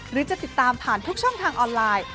หรือจะติดตามผ่านทุกช่องทางออนไลน์